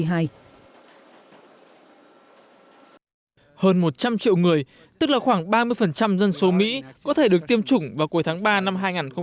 hơn một trăm linh triệu người tức là khoảng ba mươi dân số mỹ có thể được tiêm chủng vào cuối tháng ba năm hai nghìn hai mươi